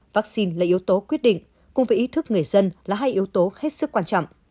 vaccine là yếu tố quyết định cùng với ý thức người dân là hai yếu tố hết sức quan trọng